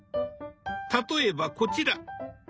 例えばこちら。